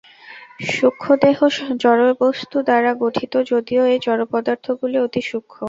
সূক্ষ্মদেহও জড়বস্তু দ্বারা গঠিত, যদিও এই জড়পদার্থগুলি অতি সূক্ষ্ম।